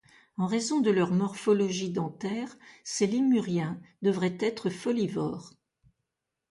En raison de leur morphologie dentaire, ces lémuriens devaient être folivores.